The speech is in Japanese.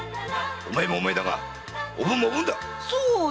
お前もお前だがおぶんもおぶんだ‼